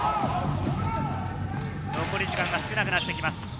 残り時間が少なくなってきます。